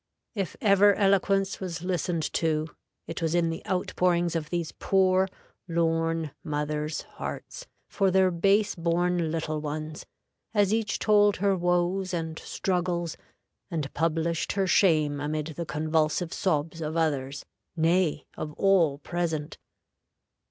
If ever eloquence was listened to, it was in the outpourings of these poor, lorn mothers' hearts for their base born little ones, as each told her woes and struggles, and published her shame amid the convulsive sobs of others nay, of all present.